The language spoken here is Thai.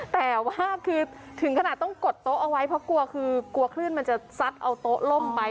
แต่ว่าคือถึงขนาดต้องกดโต๊ะเอาไว้เพราะกลัวคือกลัวคลื่นมันจะซัดเอาโต๊ะล่มไป